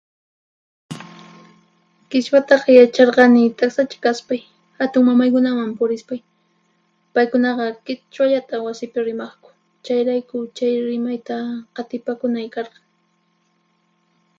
Qhichwata yacharqani taqsacha kaspay hatunmamaykunaman purispay. Paykunaqa qhichwallata wasipi rimaqku, chayrayku chay rimayta qatipakunay karqan.